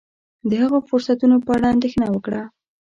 د هغه فرصتونو په اړه اندېښنه وکړه.